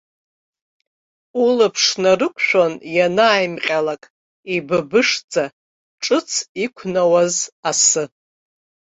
Улаԥш нарықәшәон ианааимҟьалак, ибыбышӡа, ҿыц иқәнауаз асы.